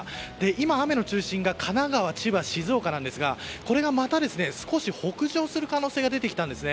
今、雨の中心が神奈川千葉、静岡なんですがこれがまた少し北上する可能性が出てきたんです。